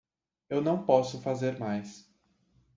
Eu não posso fazer mais.